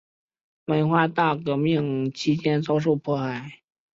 文化大革命期间遭受迫害。